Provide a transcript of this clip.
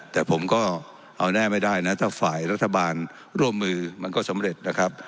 แต่ผมก็เอาแน่ไม่ได้นะถ้าฝ่ายรัฐบาลร่วมมือมันก็สำเร็จนะครับ